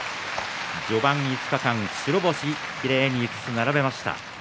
序盤５日間、白星をきれいに５つ並べました。